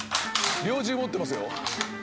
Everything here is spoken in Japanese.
猟銃持ってますよ。